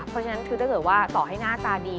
เพราะฉะนั้นคือถ้าเกิดว่าต่อให้หน้าตาดี